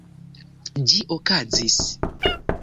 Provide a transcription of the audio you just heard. Ĝi okazis.